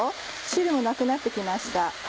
汁もなくなって来ました。